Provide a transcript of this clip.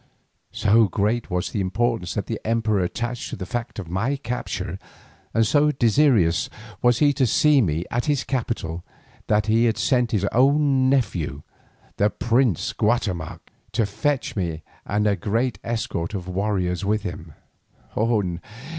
So great was the importance that the Emperor attached to the fact of my capture, and so desirous was he to see me at his capital, that he had sent his own nephew, the Prince Guatemoc, to fetch me and a great escort of warriors with him.